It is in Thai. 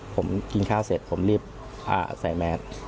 ผมกินข้าวเสร็จผมรีบใส่แมส